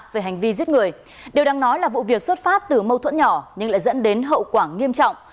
về hành vi giết người điều đang nói là vụ việc xuất phát từ mâu thuẫn nhỏ nhưng lại dẫn đến hậu quả nghiêm trọng